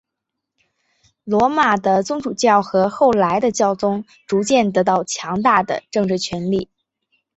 罗马的宗主教和后来的教宗逐渐得到强大的政治权力。